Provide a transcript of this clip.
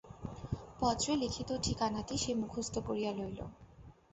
পত্রে লিখিত ঠিকানাটি সে মুখস্থ করিয়া লইল।